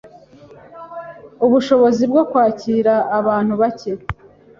ubushobozi bwo kwakira abantu bacye